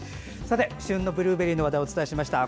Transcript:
旬のブルーベリーの話題お伝えしました。